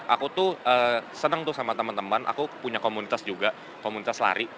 aku tuh seneng tuh sama teman teman aku punya komunitas juga komunitas lari